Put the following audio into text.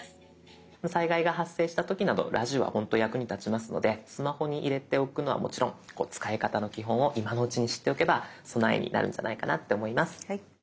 災害が発生した時などラジオはほんと役に立ちますのでスマホに入れておくのはもちろん使い方の基本を今のうちに知っておけば備えになるんじゃないかなって思います。